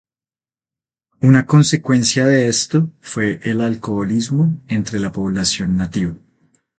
Una consecuencia de esto fue el alcoholismo entre la población nativa.